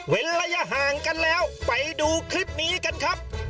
ระยะห่างกันแล้วไปดูคลิปนี้กันครับ